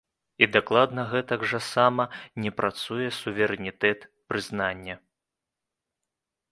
І дакладна гэтак жа сама не працуе суверэнітэт прызнання!